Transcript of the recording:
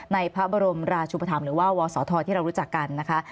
ในพระบรมราชุปธรรมหรือว่าวศธที่เรารู้จักกันนะคะ